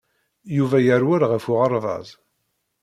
Yuba yerwel ɣef uɣerbaz.